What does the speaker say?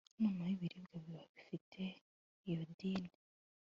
noneho ibiribwa bifite iyodine